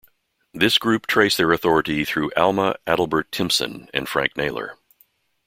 This group trace their authority through Alma Adelbert Timpson and Frank Naylor.